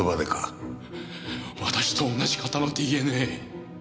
私と同じ型のＤＮＡ。